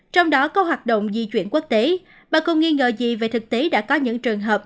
trong đó có hoạt động di chuyển quốc tế bà cùng nghi ngờ gì về thực tế đã có những trường hợp